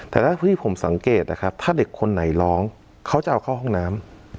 แต่ถ้าที่ผมสังเกตนะครับถ้าเด็กคนไหนร้องเขาจะเอาเข้าห้องน้ำ